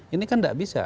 ini kan tidak bisa